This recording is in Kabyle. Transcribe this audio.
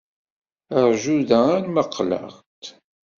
Ṛju da arma qqleɣ-d.